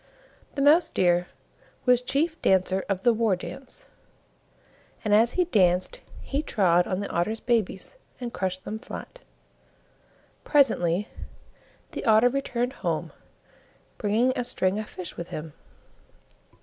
The Mouse deer was Chief Dancer of the War dance, and as he danced he trod on the Otter's babies and crushed them flat. Presently the Otter returned home, bringing a string of fish with him.